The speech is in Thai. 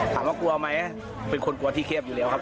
ถามว่ากลัวไหมเป็นคนกลัวที่เข้าอยู่แล้วครับ